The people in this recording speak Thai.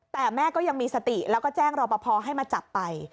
แต่แม่ก็ยังมีสติแล้วก็แจ้งรอปภให้มาจับไป